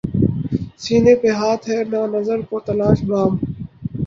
سینے پہ ہاتھ ہے نہ نظر کو تلاش بام